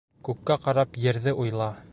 Күккә ҡарап ерҙе уйла.